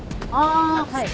あはい。